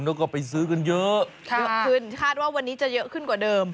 แล้วก็ไปซื้อกันเยอะเยอะขึ้นคาดว่าวันนี้จะเยอะขึ้นกว่าเดิม